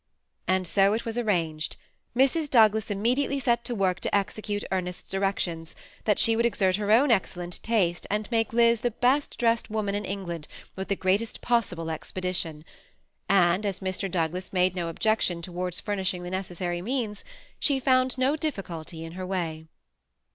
And so it was arranged. Mrs. Douglas immediately set to work to execute Ernest's directions, that she would exert her own excellent taste, and make Liz the best dressed woman in England, with the greatest possible expedition ; and as Mr. Douglas made no ob jection towards furnishing the necessary means, she found no difficulty in her way.